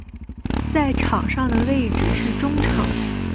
在场上的位置是中场。